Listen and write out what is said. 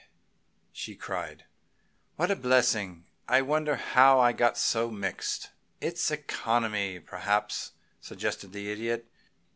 she cried, "what a blessing! I wonder how I got so mixed!" "It's economy, perhaps," suggested the Idiot.